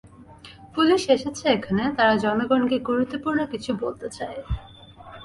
Police এসেছে এখানে, তারা জনগণকে গুরুত্বপূর্ণ কিছু বলতে চায়।